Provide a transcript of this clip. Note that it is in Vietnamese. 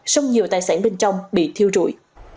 sông nhiều tài sản bên trong bị thiêu rụi